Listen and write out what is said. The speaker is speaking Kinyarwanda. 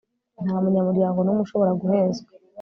nta munyamuryango n'umwe ushobora guhezwa